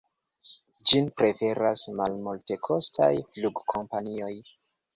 Ĝin preferas malmultekostaj flugkompanioj.